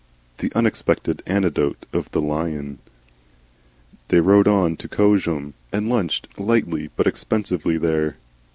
THE UNEXPECTED ANECDOTE OF THE LION They rode on to Cosham and lunched lightly but expensively there.